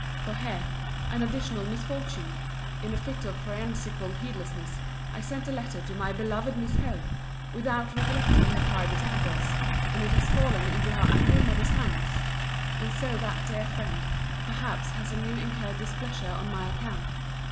For here, an additional misfortune!—In a fit of phrensical heedlessness, I sent a letter to my beloved Miss Howe, without recollecting her private address; and it has fallen into her angry mother's hands: and so that dear friend perhaps has anew incurred displeasure on my account.